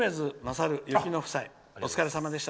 お疲れさまでした。